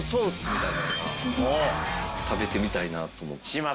みたいなのが食べてみたいなと思って。